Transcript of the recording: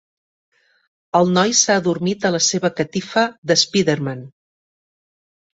El noi s'ha adormit a la seva catifa d'Spiderman